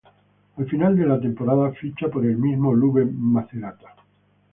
Al final de la temporada ficha por el mismo Lube Macerata.